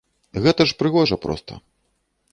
Гэта ж прыгожа проста.